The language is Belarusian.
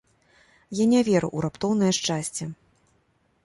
Я не веру ў раптоўнае шчасце.